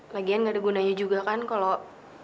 lagian gak ada gunanya juga kan kalau